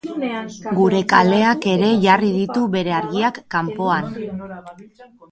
Gure kaleak ere jarri ditu bere argiak kanpoan.